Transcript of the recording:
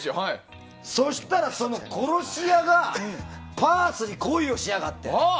そしたら、その殺し屋がパースに恋をしやがって！